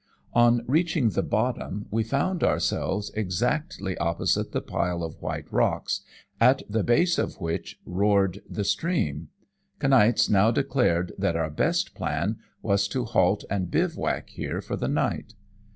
"On reaching the bottom we found ourselves exactly opposite the pile of white rocks, at the base of which roared the stream. Kniaz now declared that our best plan was to halt and bivouac here for the night.